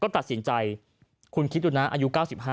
ตัดสินใจคุณคิดดูนะอายุ๙๕